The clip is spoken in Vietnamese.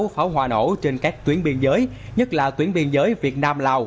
pháo hòa nổ trên các tuyến biên giới nhất là tuyến biên giới việt nam lào